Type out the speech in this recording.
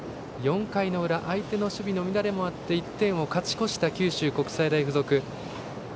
４回の裏相手の守備の乱れもあって１点を勝ち越した九州国際大付属。